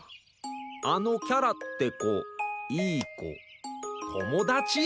あのキャラって子いい子友達？